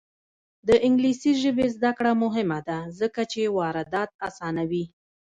د انګلیسي ژبې زده کړه مهمه ده ځکه چې واردات اسانوي.